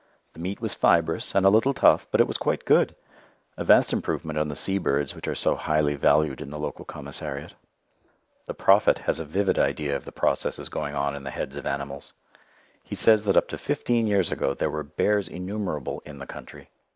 The meat was fibrous and a little tough, but it was quite good a vast improvement on the sea birds which are so highly valued in the local commissariat. [Illustration: IT WAS HIS LAST BULLET] The Prophet has a vivid idea of the processes going on in the heads of animals. He says that up to fifteen years ago there were bears innumerable "in the country."